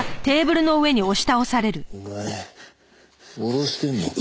お前脅してんのか？